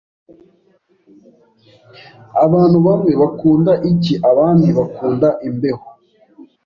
Abantu bamwe bakunda icyi, abandi bakunda imbeho.